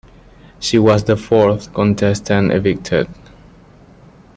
She was the fourth contestant evicted.